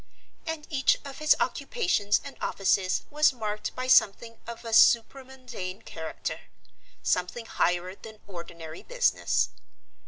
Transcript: and each of his occupations and offices was marked by something of a supramundane character, something higher than ordinary business.